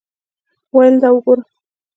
ویل دا وګوره.